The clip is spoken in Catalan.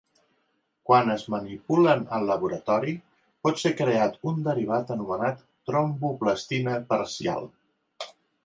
Quan es manipulen al laboratori, pot ser creat un derivat anomenat tromboplastina parcial.